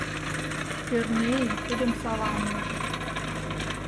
— Кӧрнеи тудым саламлыш.